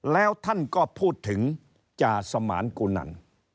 แล้วท่านก็พูดถึงจาสมานกุนัน